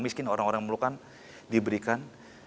miskin orang orang yang melukan diberikan